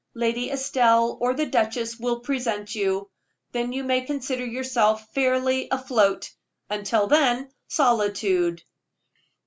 Lady Estelle or the duchess will present you; then you may consider yourself fairly afloat until then, solitude.